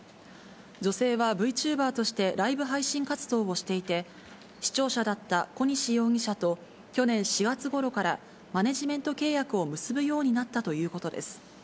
女性はＶチューバーとしてライブ配信活動をしていて、視聴者だった小西容疑者と去年４月ごろから、マネジメント契約を結ぶようになったということです。